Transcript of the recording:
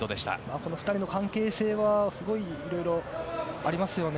この２人の関係性はいろいろありますよね。